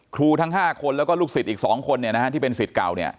ครูทั้ง๕คนแล้วก็ลูกศิษย์อีก๒คนที่เป็นศิษย์เก่า